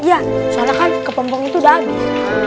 ya soalnya kan kepompong itu udah abis